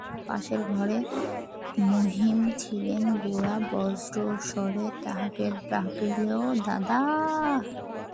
পাশের ঘরেই মহিম ছিলেন–গোরা বজ্রস্বরে তাঁহাকে ডাকিল, দাদা!